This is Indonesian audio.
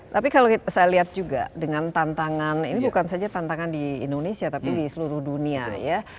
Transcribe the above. tapi kalau saya lihat juga dengan tantangan ini bukan saja tantangan di indonesia tapi di seluruh dunia ya